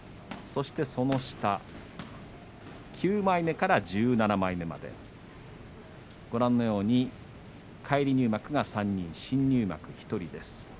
その下、９枚目から１７枚目までご覧のように返り入幕が３人新入幕１人です。